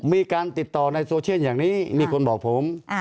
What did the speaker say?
มีการติดต่อในโซเชียลอย่างนี้มีคนบอกผม